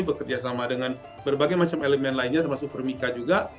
bekerja sama dengan berbagai macam elemen lainnya termasuk permika juga